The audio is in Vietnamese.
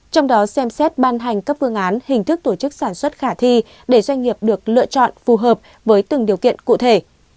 trong đó xem xét ban hành các phương án hình thức tổ chức sản xuất khả thi để doanh nghiệp được lựa chọn phù hợp với từng điều kiện cụ thể